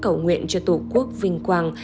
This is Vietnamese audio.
cầu nguyện cho tổ quốc vinh quang